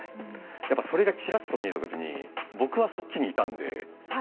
やっぱそれがちらっと見えた時に僕はそっちにいたんで一回は。